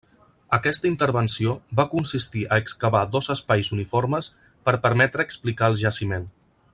Aquesta intervenció va consistir a excavar dos espais uniformes per permetre explicar el jaciment.